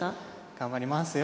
頑張りますよ。